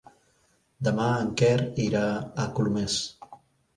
Demà en Quer irà a Colomers.